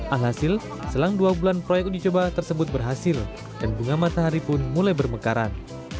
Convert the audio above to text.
alhasil selang dua bulan proyek uji coba tersebut berhasil dan bunga matahari pun mulai bermekaran